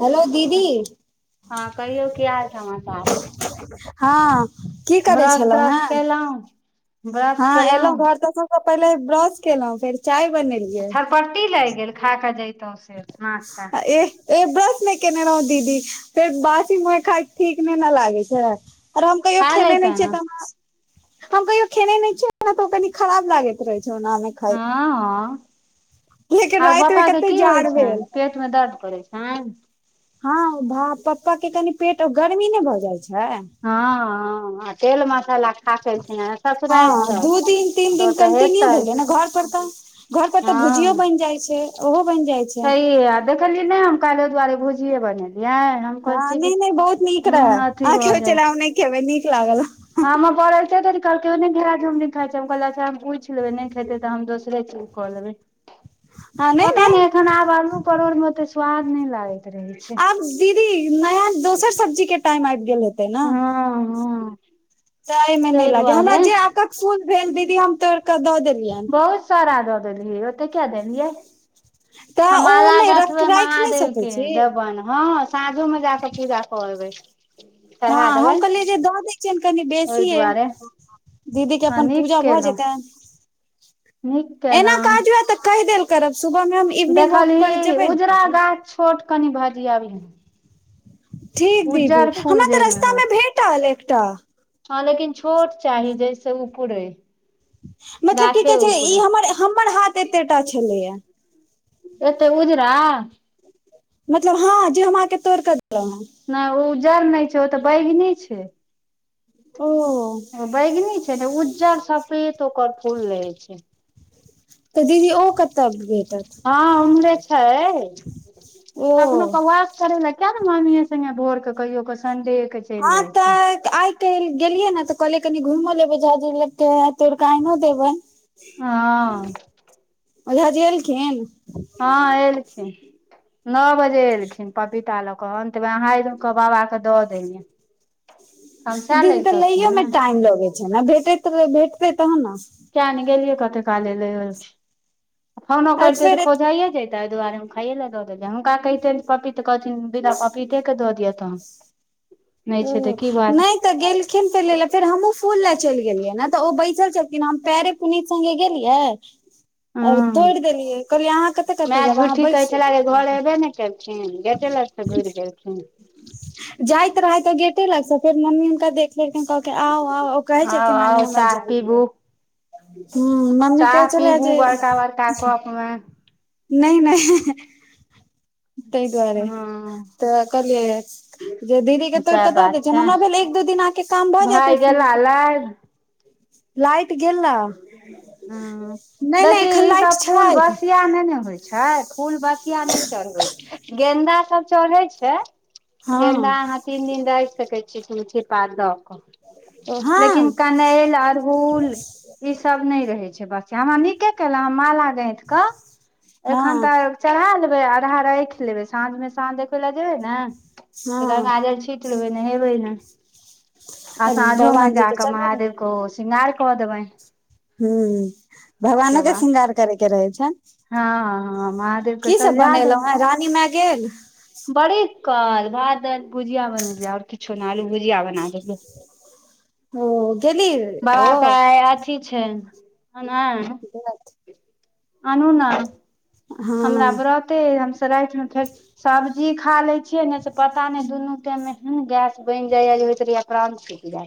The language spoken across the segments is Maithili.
हेलो दीदी हँ कहियो की हाल समाचार हँ की करै ब्रश छलहुँ त्रश हेँ केलहुँ ब्रश हँ एलहुं केलहुँ घर तऽ सबस पहिले ब्रश केलौ फेर चाय बनेलौ छरपट्टी लाग गेल खा कऽ जैतहु आ एह ए ब्रश ने केने रहौ दीदी फेर बासी मुहै खाय ठीक ने न लागे छैय और हम कहियो खा खेने लैते नहि ने छियै तऽ [unintelligible] हम कहियो खेने नहि छियै त ओ कनी खराब लागैत रहे छै ओना मे हँ लेकिन और राति मे पापा के कते की होइ जाड़ छैन भेल पेट मे दर्द करै छैन हँ भ पप्पा के कनि पेट गर्मी ने भऽ जाय छै हँ हँ आ तेल मसाला खा के एलखिन हेँ हँ ससुरारिसँ दू दिन तीन तो दिन तऽ कन्टिन्यू हेतै भेलै ने घर पर तऽ घर पर तऽ भुजियो हँ बनि जाय छै ओहो बनि जाय छै छैहे आ देखलियै नहि हम काल्हि दुआरे भुजिये बनेलियै हम कहै हँ छी जे नहि नहि बहुत नीक रहै मोन अथी आहाँके की होइ छला जे हम नहि खेबै नीक लागल हँ हमर बअर आबै तऽ धरि कहलकेँ हम नै घेरा झुगनी खाय छी अच्छ हम पूछ लेबै नै खैते तऽ दोसरे चीज लेब नहि पता न नहि एखन आब अल्लु परोड़ मे ओे स्वाद नहि लागय छै आब दीदी नया दोसर सब्जी के टाइम आबि गेल हेतै नऽ हँ हँ त एहि मे नहि ताहि लागे हमरा दुआरे जे आकक फूल भेल दीदी हम तोड़ केे दऽ देलियै। बहुत सारा दऽ देलियै ओते किया देलियै तऽ हम ओ माला नहि राखि गाथबै नहि महादेव सकै के छी दबेन हँ। साँझो मे जाके पूजा कऽ एबै हँ चढ़ा हम कहलियै देबनि जे दऽ दै छियनि कनि ओहि बेसियए दुआरे दीदी के हँ अपन नीक पूजा भ केलहुँ जेतैन नीक एना केलहुँ काज रहत त कहि देल करब सुबह मे इवनिंग वॉक पर देखलही जेबै ने उजरा तऽ। गाछ छोट कनि भजीियाबिहन ठीक दीदी फूल हमरा त जाहिमे रास्ता होय मे भेटल एकटा हँ लेकिन छोट चाही जैस ऊपरय मतलब की कहे छै ई हमर हमर हाथ एतेटा छलैया। एते उजरा मतलब हँ जे हम आके तोड़ कऽ देलहुं हें। नहि उ उज्जर नहि छै ओ तऽ बैगनी छै। ओ बैगनी छै ने उज्जर सफेत ओकर फूल रहै छै तऽ दीदी ओ कतऽ भेटत। हँ उम्हरे छै ओ कखनो कौआ। करे ला किया ने माम्मीे संगे भोर कऽ कहियो कऽ संडे केँ चल हँ जाइ छ। तऽ आइ काइल गेलियै न त कहलीय कनि घुमो लेबै झाजी लग तोड़ कऽ आइ नो देबैन हां ओझ जी एलखिन। हँ एलखिन न बजे एलखिन पपीता लक अंत मे अहा एलौ त बाबा के द देलिय दीदी तऽ ने लैयोमे टाइम लगै छै नऽ भेट भेटतै तहन नऽ किया ने गेलियै कते काले ले आलखिन फोनो आ करिते त फेर खौझाये जेथिन ताहि दुआरे हम खाय ल दऽ देलिय हुनका कहिेतिय त कहथिन बीना पपीते के दऽ दिय तहन नहि छै तऽ ओ की बात छै नहि त गेल एलखिन फूल ले ले फेर हमहू फूल लऽ चलि गेलियै नऽ तऽ ओ बैसल छलन हम पैरे पुनीित सगे गेलियै। ह आओर तोड़ि देलियै कहलियै अहाँ कतऽ कतऽ माय जायब अहाँ झुठी बैसू कहैछला जे घर एबे नै केलखिन गेटे लग सँ घुर गेलखिन जाइत रहे तऽ गेटे लगस फेर मम्मी हुनका देखले। आ आ उ कहै छै आउ कि नहि नहि आउ हमरा चाह जाइ पीबू नऽ हू मम्मी चाह कहै छलय पीबू जे बड़का [unintelligible] नहि मय तहि दुआरे हँ तऽ कलिय जे दीदी के तोड़ सएह कऽ दऽ बात द छै ने हमरा भेल एक दू दिन आके काम भऽ जेतऽ भाय ओय फूल गेला सऽ लाइब लाइट गेला ह देखी ईसभ फूल छै बसिया नै ने होइ छै फूल बसिया नहि चढ़बै छै गेन्दा सब चढ़ै छै गेंदा हँ अहाँ तीन दिन रहि सकैत छीियै तुलसी पात दऽ कऽ। हँ लेकिन कनैल अरहुल। ई सब नहि रहे छै बसियाा हमरा नीके केल माला गाथिके एखन हँ तऽ चढ़ा लेबे अढ़ा रायख लेबै साँझ में साँझ देखेब लए जेबै ने त हँ गंगा जल छिट नहेबै नै आ सांझो में भगवान जी के जाक चढ़ेबै महादेव के सिगार क देबैन हू भगवानो के बात श्रृंगार करै के रहै छनि हँ हँ महादेव के की सब सजा दहून बनेलहुं हें रानी मै गेल गेल। बड़ी काल भात दायील भुजिया बनेलियै आओर किछो ने आलू भुजिया बना देलियै ओ गेली ओ बाबाक आय अथी छै [unintelligible] [unintelligible] आनूना हमरा हँ बरते हमसब रातिमे फेर सब्जी खा ले छियै ने से पता नहि दुनू टाइम मे एहन गैस बनि जाया जे होइत रहियै प्रान [unintelligible]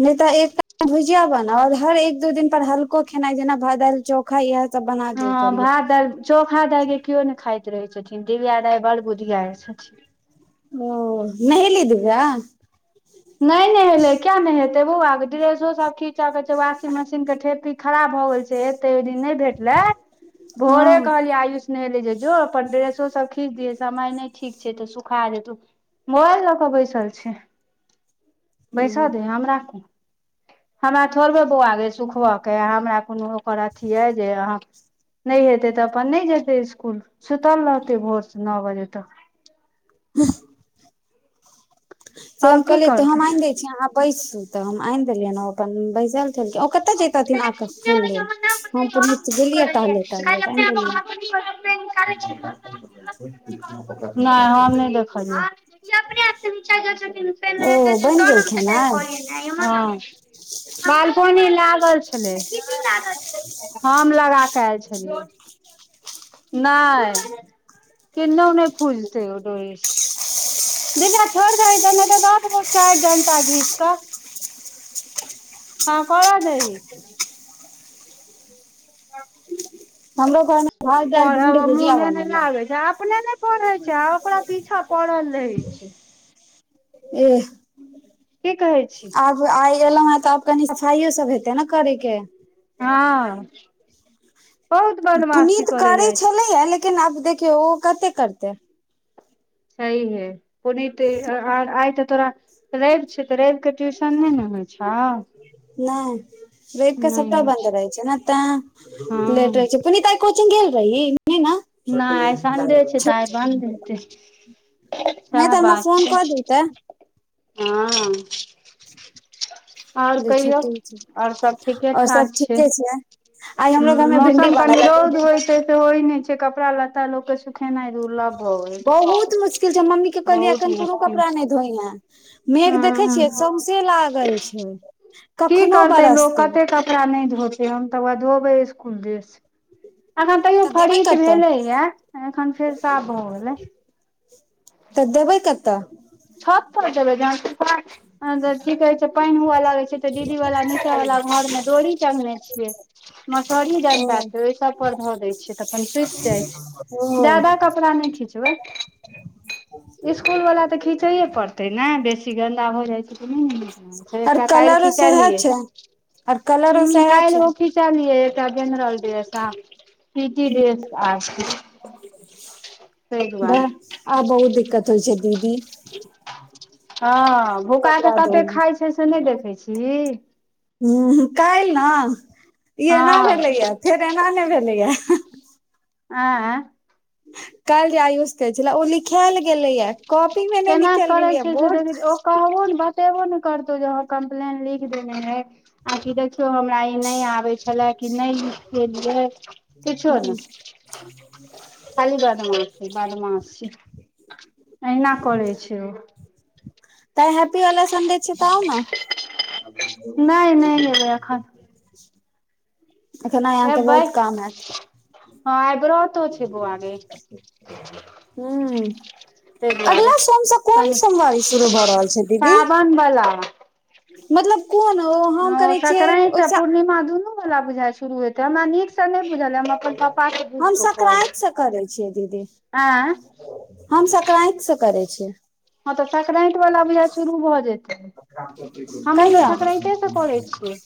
नहि तऽ एक टैम भुजिया बनाउ और हर एक दू दिन पर हल्को खेनाइ जेना भात दालि चौक खइहत सब बना ह देल करियौ भात दायल चोखा दााय गे केओ नऽ खाइत रहै छथिन दिव्य दााय बड़ बुधियार छथिन। ओ नहेली दिवया नहि नहेलै किया नेहेतै बआ ड्रेसो सब खीच के छै वाशिंग मशीन के ठेपी खराब भऽ गेल छै एते ओहि दिन नहि भेटलै भोरे हँ कहलियै आयुष ले जेजो अपन ड्रेसो सब खीच दिय समय नहि ठीक छै तऽ सुखा जेतौ मोबाइल ल क बैसल छै बैसऽ हँ दे हमरा की हमरा थोड़बे बौआ गै सुखब हमरा कोनो ओकर अथी अइ जे अहाँ नहि हेतै तऽ अपन नहि जेते इसकुल सुतल रहतै भोर स न बजे तक ह से आओर हम की कहलियै तऽ करतै हम आनि देै छी अहाँ बैसू तऽ हम आनि देलियैनऽ तऽ अपन बैसल। ओ कतय जय रहथिन आके फूल दे हम पुनिय गेलियै टहलैत टहलैत तऽ आनि देलियै [unintelligible] [unintelligible] [unintelligible] नहि [unintelligible] [unintelligible] हँ ओ बनि गेल खेनाइ बालकोनि लऽ [unintelligible] हम लगा के आयल छलियै। नहि किनौ नहि खुजतै ओ ड्रेस दीजा छोड़ि दहि नहि त द देवो चारि डनटा घीच क [inaudible] [unintelligible] हँ कर दही [unintelligible] हमरो घर मे पढ़ मे मुने नहि लागे छै अपने नै पढ़ै छै आ ओकरा पीछा पढ़ल रहे छै एह कि कहै छी आब आइ एलहुं हें तऽ आब कनी सफाइयो सब हेतै ने करै के हँ बहुत बदमाशी पुनीत करे करै जाइ छै छलैया लेकिन आब देखियौ ओ कते करते छहीए है पुनित आइ त तोरा रवि छ तऽ रविकेऽ ट्यूशन नहि ने होइ छाउ नहि रैव क सबटा बन्द रहै छै ने ते हँ लेटै छै पुनीता कोचिंग गेल रही नई न नहि आइ संडे छै तऽ आइ बंद हेतये नहि सएह तऽ हमरा बात फोन छै कऽ देतै हँ [unintelligible] आओर जे कहियौ छुट्टी छै आओर सब ठीके आओर सब ठाक छै ठीके आइ ह हमरो घरमे भिंडी मौसम कनि बनल ह दू रोध दिन तक होइत छै तऽ होइ नहि छै कपड़ा लत्ता लोकके सु बहुत मुश्किल छै मम्मी के कहलियै बहुत एखन कनो मुश्किल कपड़ा नहि धो मेघ छै देखे ह छियै सौंसे लागल छै की कखनो करतै लोक बरसतै कते कपड़ा नहि धोते हम तऽ व धोबै इसकुल ड्रेस अखन तैयो तऽ देबै फ्रिज कतऽ भेले ये अखन फेर साफ भऽ गेले तऽ देबै कतऽ छत पर जेबै ज की कहे छै पानि हुए लागै छै दीदी वाला नीचा वाला घर मे डोरी चंगने छियै मसहरी ओ डनटा त ओहि सभ पर धऽ दै छियै तऽख सुखि जाइ छै ओ जादा कपड़ा नहि खीचबै इसकुल वला तऽ खीचैए पड़तै ने बेसी गन्दा भ जाइत छै आर एकटा काल्हि कलरो सेहे खिचलियए छै आर कलरो ह सेहे छै काहिलो चलिय एकटा जेनरल ड्रेस ह की की ड्रेस आ बाह दुआरे आ बहुत दिक्कत होइ छै दीदी हँ भूका तऽ कपड़ा कते धोइ मे खाइ छै से नहि देखैत छिही ह काल ने ई एना हँ भेलै या फेर एना नहि भेलै या आ। काल जे आयुष कहै छल ओ लिखायल गेलैय कॉपी मे नहि केना निकल करै गेलै छै से बोर्ड देखै छै ओ कहबो ने बतेबो ने करतौ जह कम्प्लेन लिख देने रहै आ कि देखियौ हमरा ई नहि आबे छलै कि नहि लिखेलियै ह जादा हो [unintelligible] बादमास [inaudible] अहिना। करे छै ओ त हैप्पी वाला संडे छै तउ ने नहि नहि लबै एखन एखन अहाँके ऐबे बहुत हँ आइ बत्त हू ताहि दुआरे अगिला सोमसँ कोन कनि सोमवारी शुरू भऽ रहल छै दीदी सावन बला मतलब कोन ओ हम करै छियै ओहिसँ ला बुझाइ शुरू होेतै हमरा नीक से नहि बुझलै हम अपन पप्पा से बुझि हम कऽ संकराान्त कहबै से करै छियै दीदी आँय हम संक्रान्त से करै छियै हँ तऽ संक्रानति वालला बझा शुरू भऽ जेतै हमहूँ तऽ कहिया संक्रान्तेसँ करै छियै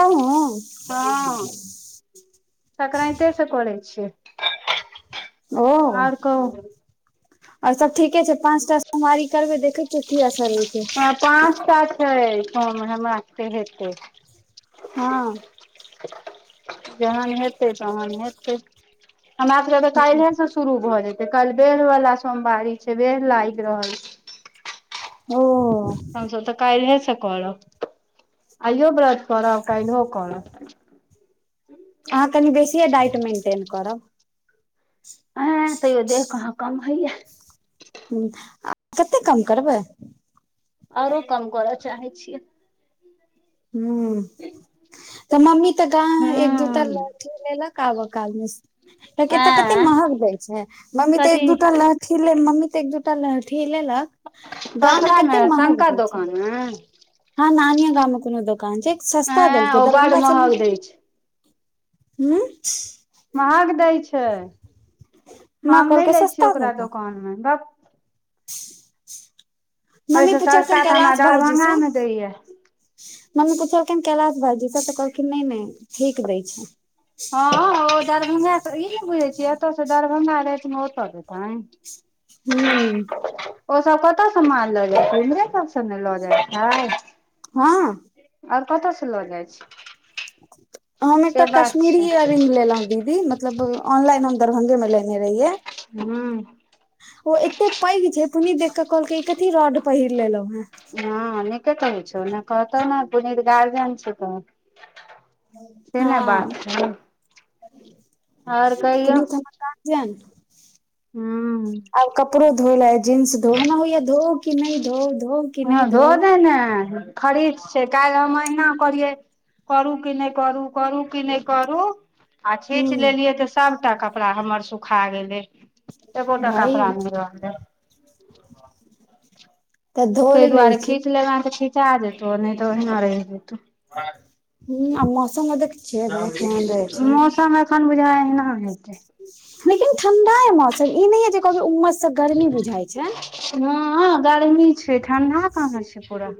आहू [unintelligible] संक्रान्ते से करै छियै ओ आओर कहू आर सब ठीके छै पाँचटा सोमवारी करबे देखे की असर ऐतै। पाँचटा छैठम हमराके हेतै हँ जहन हेतै तहन हेतै हमरा सबके तऽ काले से शुरू भए जेते कल बेड़ वाला सोमवारी छै बेड़ लागि रहल छै ओ हमस तऽ काले से करब आइयो व्रत करब काल्हिहो करब अहाँ कनि बेसियए डाइट मेन्टेन करब आ तैयो देख अहाँ कम हइया ह आ कतेक कम करबै आरो कम करऽ चाहै छियै ह तऽ मम्मी तऽ गा एक दूटार हूँ ल लेलक आब काल मे कियाकि ए कते ऐं महग दय छै मम्मी तऽ एक कथी दूटा ल ठी ले मम्मी तऽ एक दूटा लहठी लेलकऽ गाँम में सकरा मे कत्ते महग शंकर दै छै दोकान मे हँ नानिय गाम कोनो दोकान छै सस्ता एं देलकै ओ बड दरभंगा सबमे महग दै छै हूं महग दै छै माँ हम नै कहलकै लै छियै सस्ता ओकरा देलकै दोकान मे भक मम्मी ओहिसँ पुछैसनि सस्ता तऽ हमरा कैलाश दरभंगा भाईजीसँ मे दैया मम्मी पुछलखिन कैलाश भाईजी स तऽ कहलखिन नै नै ठीक दै छै हँ ओ दरभंगासॅं ई नै बुझै छियै एतयसँ दरभंगा रातिमे ओतऽ जेतैन हूॅं ओ सब कतऽ स माल लऽ जाइ छै हमरे सब स नै लऽ जाइ छै हँ और कतय से लऽ जाइ छै हम से एकटा बात कश्मीरी छै इयर रिंग लेलहुँं दीदी मतलब ऑनलाइन हम दरभंगे मे लेने रहियै हूं ओ एतै पैघ छै पुनी देख कऽ कहलक ई कथी रोड पहिर लेलहु हें हँ नीके कहै छौ कहतौ ने पुनीत गार्जियन छ त छे न बात छै आओर [inaudible] कहियौ पुनित हमर जारजियन हूं आब कपड़ो धो लै जींस धोउ हमरा होइया धोउ कि नहि धोउ धोउ हँ धो दै ने खरीद छै काल्हि हम अहिना करियै करू कि नै करू करू कि नै करू आ छीच हूं लेलियै तऽ सभटा कपड़ा हमर सुखा गेलै एको टा भाई कपड़ा नई रहतै तऽ तै धोइ लै दुआरे छी खींच लेना तऽ खींचा जेतौ नहि तऽ ओहिना रहि जेतौ हूं आ मौसम देखै छियै भाय केहन रहै छै मौसम एखन बुझा एह्ना हेतै लेकिन ठंडा ऐ मौसम ई नहिं जे कहबै उमस से गर्मी बुझाइ छै हऽ गर्मी छै ठण्डा कहाँ छै पूरा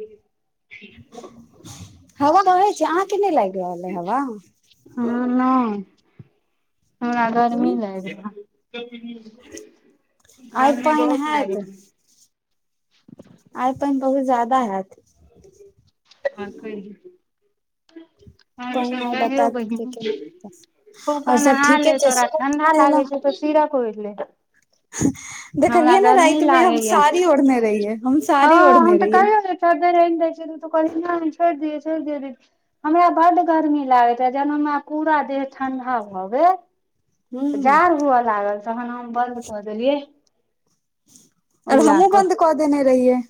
हवा बहै छै अहाँके नै लागि रहल अइ हवा ह नै हमरा गर्मी लाग आइ गरमी पानि बहुत हैत लागै छै आइ पैन बहुत जादा हेत हँ [unintelligible] अच्छा पानि आइ कहियौ बतायत बहिन कि केना हेतै। खूब क और सब नहा ले ठीके छै तोरा ठंडा सुबह लागे एलहुँ छै तऽ सीरक ओईर ले हमरा देखलियै नै गर्मी राति मे हम लागैया साड़ी ओड़ने रहियै हम साड़ी ओड़ने रहियै चदैर आइन दै छै तऽ तू कहलही नै छोड़ि दिय छोड़ द हमरा बड गर्मी लागे रहै जहन हमरा पूरा देह ठंडा भ गेल ह जाड़ हुअ लागल तहन हम बन्द कऽ देलियै आर हमहुँ बन्द कऽ देने रहियै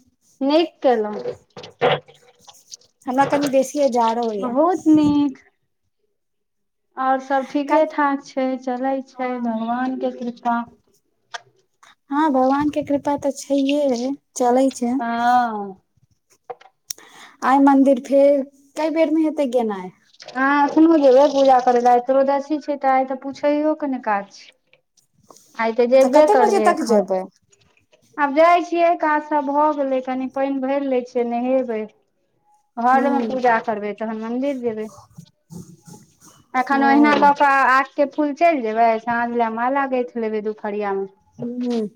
नीक केलैं हमरा कनि बेसीये जाड़ो होइया नीक आओर सब ठीके हँ ठाक छै चलै छै भगवान के कृपा हँ भगवान के कृपा तऽ छैे हे चले छै हँ आइ मन्दिर फेर कई बेेरमे हेतै गेनाय आई एखनो जेयबै पूजा करे लै आय तिरोदसि छै त आइ तऽ पूछयो के ने काज आइ तऽ जेबे कते बजे करबै तक एखन जेबै आब जाइ छियै काज सब भ‌ गेलै कनी पानि भरि लै छियै नेहेबै घर मे हूँ पूजा करबै तखन मंदिर जेबै एखन ओहिना ओ कऽ कऽ आठ के फूल चलि जेबै साँझ ले माला गइथ लेबै दोपहरिया मे हूँ